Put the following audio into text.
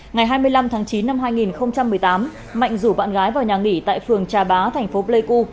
ngày hai mươi năm tháng chín năm hai nghìn một mươi tám mạnh rủ bạn gái vào nhà nghỉ tại phường trà bá thành phố pleiku